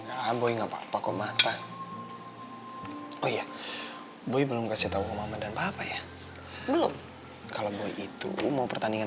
aboy nggak papa kok mata oh iya boy belum kasih tahu mama dan bapak ya kalau itu mau pertandingan